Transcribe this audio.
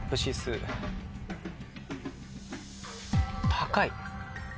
高い。